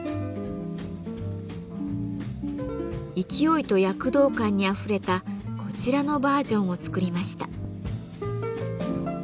勢いと躍動感にあふれたこちらのバージョンを作りました。